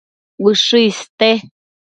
Ushë iste